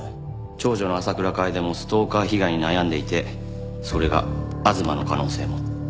長女の浅倉楓もストーカー被害に悩んでいてそれが吾妻の可能性も。